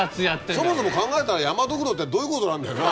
そもそも考えたら山髑髏ってどういうことなんだよな？